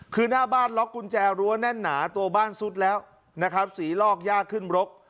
คือหน้าบ้านล็อกกุญแจรั้วแน่นหนาตัวบ้านซุดแล้วนะครับสีลอกยากขึ้นรก